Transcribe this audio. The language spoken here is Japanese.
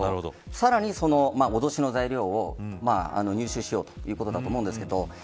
さらに、脅しの材料を入手しようということだと思います。